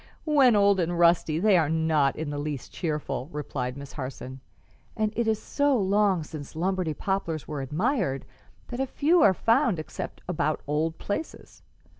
"When old and rusty, they are not in the least cheerful," replied Miss Harson; "and it is so long since Lombardy poplars were admired that few are found except about old places.